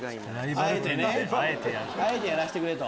あえてやらしてくれ！と。